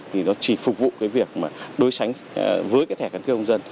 thì nó chỉ phục vụ cái việc mà đối sánh với cái thẻ căn cước công dân